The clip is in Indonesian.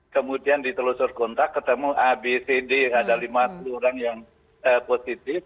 kemudian ditelusur kontak ketemu a b c d ada lima puluh orang yang positif